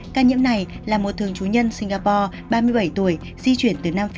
ca nhiễm này là một thường chú nhân singapore ba mươi bảy tuổi di chuyển từ nam